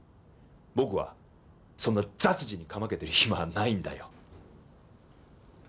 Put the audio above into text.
僕はそんな雑事にかまけてる暇はないんだよ。